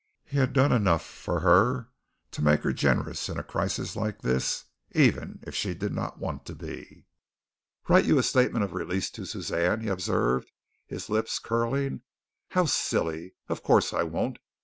He had done enough for her to make her generous in a crisis like this, even if she did not want to be. "Write you a statement of release to Suzanne?" he observed, his lips curling "how silly. Of course, I won't.